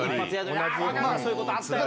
そういうことあったよとか。